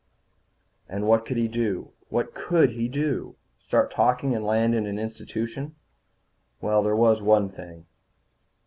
And what could he do? What could he do? Start talking and land in an institution? Well, there was one thing.